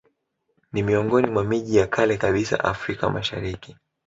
Ni miongoni mwa miji ya kale kabisa Afrika Mashariki